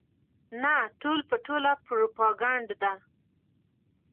نه ټول په ټوله پروپاګنډه ده.